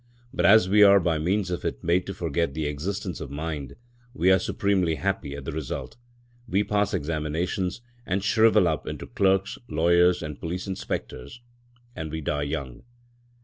But as we are by means of it made to forget the existence of mind, we are supremely happy at the result. We pass examinations, and shrivel up into clerks, lawyers and police inspectors, and we die young.